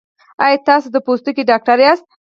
ایا تاسو د پوستکي ډاکټر یاست؟